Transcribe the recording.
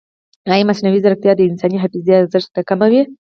ایا مصنوعي ځیرکتیا د انساني حافظې ارزښت نه کموي؟